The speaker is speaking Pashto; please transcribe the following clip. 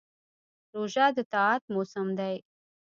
روژه د طاعت موسم دی.